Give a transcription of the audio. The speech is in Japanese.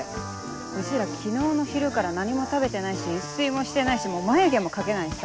うちら昨日の昼から何も食べてないし一睡もしてないし眉毛も描けないしさ。